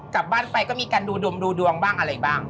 กลับบ้านไปก็มีการดูดวงดูดวงบ้างอะไรบ้าง